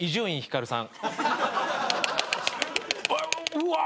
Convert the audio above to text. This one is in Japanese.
うわ！